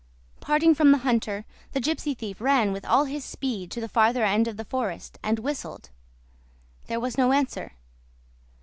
Parting from the hunter, the gypsy thief ran with all his speed to the farther end of the forest, and whistled. There was no answer.